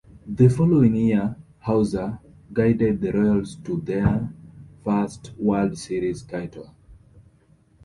The following year, Howser guided the Royals to their first World Series title.